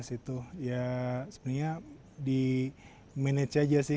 dua ribu sebelas itu ya sebenarnya di manage aja sih